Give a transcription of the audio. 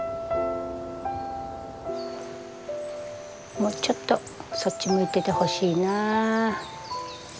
もうちょっとそっち向いててほしいなあ。